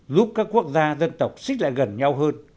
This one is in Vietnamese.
giúp các quốc gia dân tộc xích lại gần nhau hơn